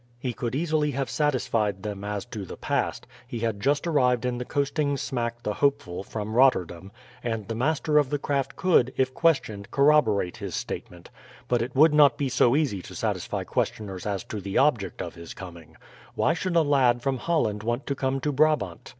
He could easily have satisfied them as to the past he had just arrived in the coasting smack the Hopeful from Rotterdam, and the master of the craft could, if questioned, corroborate his statement but it would not be so easy to satisfy questioners as to the object of his coming. Why should a lad from Holland want to come to Brabant?